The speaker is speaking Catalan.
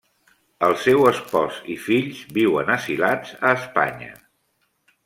El seu espòs i fills viuen asilats a Espanya.